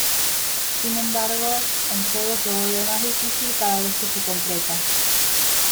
Sin embargo, el juego se vuelve más difícil cada vez que se completa.